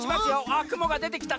あっくもがでてきた！